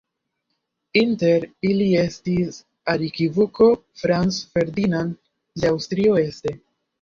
Inter ili estis arkiduko Franz Ferdinand de Aŭstrio-Este.